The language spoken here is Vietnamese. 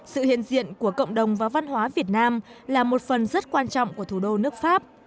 sự hiện diện của cộng đồng và văn hóa việt nam là một phần rất quan trọng của thủ đô nước pháp